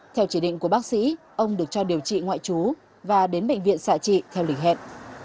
theo chỉ định của bác sĩ ông được cho điều trị ngoại trú và đến bệnh viện xạ trị theo lịch hẹn